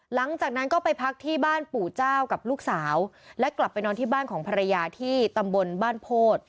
หลังจากนั้นก็ไปพักที่บ้านปู่เจ้ากับลูกสาวและกลับไปนอนที่บ้านของภรรยาที่ตำบลบ้านโพธิ